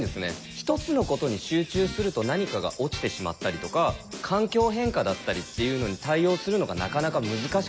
１つのことに集中すると何かが落ちてしまったりとか環境変化だったりっていうのに対応するのがなかなか難しかったり。